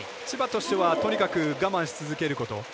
千葉としてはとにかく我慢し続けること。